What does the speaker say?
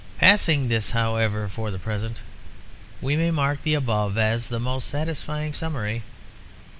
Passing this however for the present, we may mark the above as the most satisfying summary.